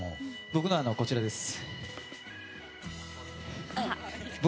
僕のはこちらです。